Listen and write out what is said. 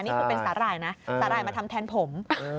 นี่คุณเป็นอะไรนะมาทำแทนผม